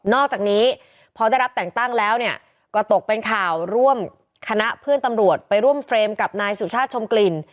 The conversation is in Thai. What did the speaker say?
อกจากนี้พอได้รับแต่งตั้งแล้วเนี่ยก็ตกเป็นข่าวร่วมคณะเพื่อนตำรวจไปร่วมเฟรมกับนายสุชาติชมกลิ่น